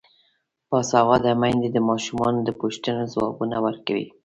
باسواده میندې د ماشومانو د پوښتنو ځوابونه ورکوي.